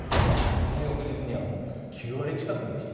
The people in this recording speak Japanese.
その翌日には９割近くの人。